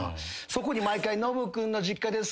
そこに毎回「ノブ君の実家ですか？」